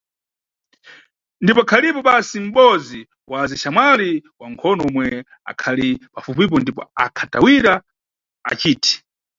Ndipo akhalipo basi mʼbodzi wa azixamwali wa nkhono omwe akhali pafupipo ndipo akhatawira aciti.